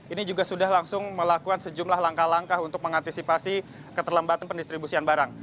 ini juga sudah langsung melakukan sejumlah langkah langkah untuk mengantisipasi keterlambatan pendistribusian barang